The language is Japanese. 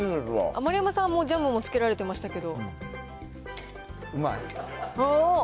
丸山さん、もうジャムをつけられてましたけど。